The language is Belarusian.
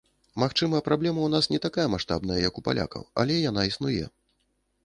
Магчыма, праблема ў нас не такая маштабная, як у палякаў, але яна існуе.